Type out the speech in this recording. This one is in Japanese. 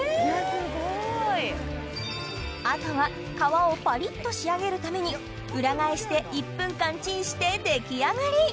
・すごい・あとは皮をパリっと仕上げるために裏返して１分間チンして出来上がり！